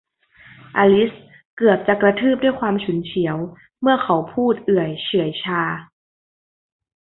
อลิซเกือบจะกระทืบด้วยความฉุนเฉียวเมื่อเขาพูดเอื่อยเฉื่อยชา